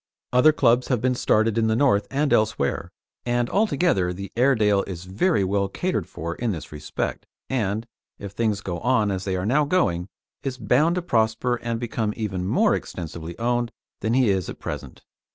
Other clubs have been started in the north and elsewhere, and altogether the Airedale is very well catered for in this respect, and, if things go on as they are now going, is bound to prosper and become even more extensively owned than he is at present.